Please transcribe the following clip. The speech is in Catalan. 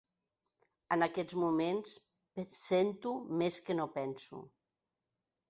En aquests moments sento més que no penso.